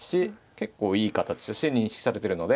結構いい形として認識されてるので。